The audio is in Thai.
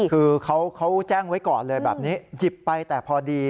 คือเขาแจ้งไว้ก่อนเลยแบบนี้หยิบไปแต่พอดี